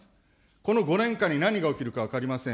この５年間に何が起きるか分かりません。